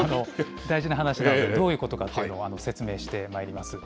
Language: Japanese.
大事な話なので、どういうことかというのを説明してまいります。